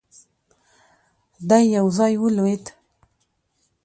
دی يو ځای ولوېد.